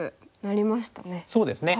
そうですね。